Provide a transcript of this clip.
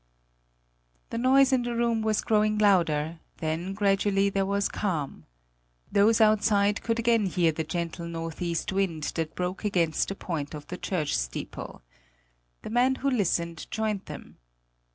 The noise in the room was growing louder; then gradually there was calm. Those outside could again hear the gentle northeast wind that broke against the point of the church steeple. The man who listened joined them.